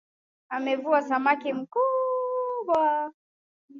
Amevua samaki mkubwa.